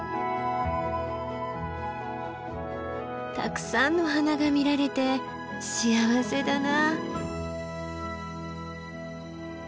たくさんの花が見られて幸せだな。